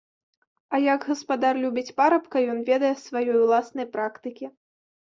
А як гаспадар любіць парабка, ён ведае з сваёй уласнай практыкі.